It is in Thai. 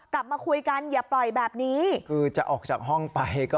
กลับมาคุยกันอย่าปล่อยแบบนี้คือจะออกจากห้องไปก็